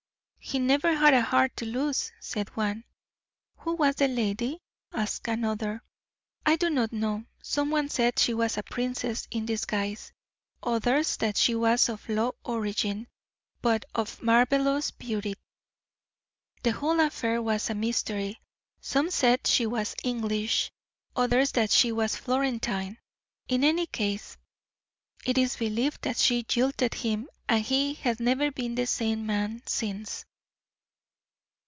"He never had a heart to lose," said one. "Who was the lady?" asked another. "I do not know. Some one said she was a princess in disguise; others, that she was of low origin, but of marvelous beauty. The whole affair was a mystery. Some said she was English, others that she was Florentine; in any case, it is believed that she jilted him, and he has never been the same man since.